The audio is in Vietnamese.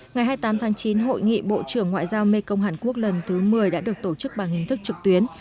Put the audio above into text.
ngày hai mươi tám tháng chín hội nghị bộ trưởng ngoại giao mê công hàn quốc lần thứ một mươi đã được tổ chức bằng hình thức trực tuyến